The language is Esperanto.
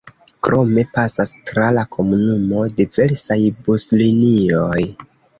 Krome pasas tra la komunumo diversaj buslinioj.